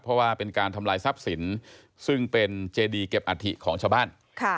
เพราะว่าเป็นการทำลายทรัพย์สินซึ่งเป็นเจดีเก็บอัฐิของชาวบ้าน